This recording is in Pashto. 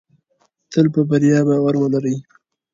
تل په بریا باور ولرئ.